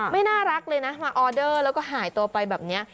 ไม่น่ารักเลยนะมาออเดอร์แล้วก็หายตัวไปแบบนี้